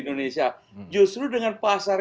indonesia justru dengan pasar